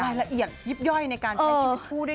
ละเอียดยิบย่อยในการใช้ชีวิตคู่ด้วย